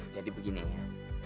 jadi begini ya